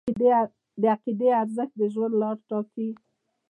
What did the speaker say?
د عقیدې ارزښت د ژوند لار ټاکي.